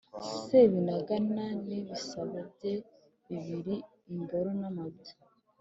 sebinagana n'ibisabo bye bibiri- imboro n'amabya.